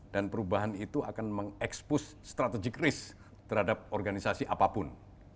dan perubahan itu akan mengekspos strategik risk terhadap organisasi apapun